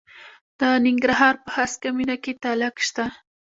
د ننګرهار په هسکه مینه کې تالک شته.